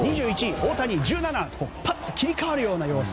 大谷、１７ぱっと切り替わるような様子。